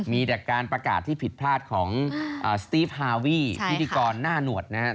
มีแต่การประกาศที่ผิดพลาดของสตีฟฮาวีพิธีกรหน้าหนวดนะครับ